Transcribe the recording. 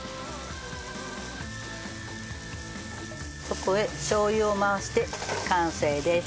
そこへしょう油を回して完成です。